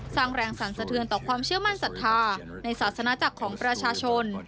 สร้างแรงสรรสะเทือนต่อความเชื่อมั่นศรัทธาในศาสนาจักรของประชาชน